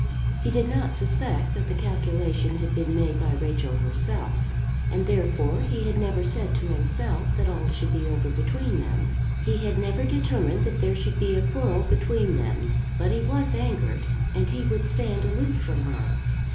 He did not suspect that the calculation had been made by Rachel herself; and therefore he had never said to himself that all should be over between them. He had never determined that there should be a quarrel between them. But he was angered, and he would stand aloof from her.